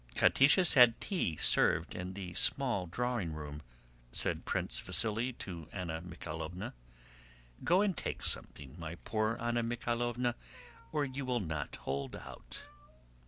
"Catiche has had tea served in the small drawing room," said Prince Vasíli to Anna Mikháylovna. "Go and take something, my poor Anna Mikháylovna, or you will not hold out."